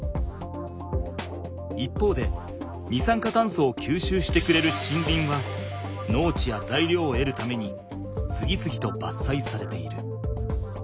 一方で二酸化炭素を吸収してくれる森林は農地やざいりょうをえるために次々とばっさいされている。